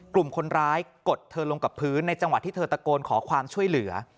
กลุ่มคนร้ายกดเธอลงกับพื้นในจังหวะที่เธอตะโกนขอความช่วยเหลือ